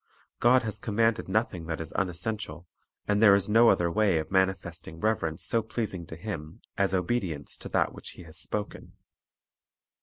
God has commanded nothing that is unessential, and there is no other way of mani festing reverence so pleasing to Him as obedience to that which He has spoken.